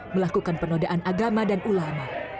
melakukan penodaan agama dan ulama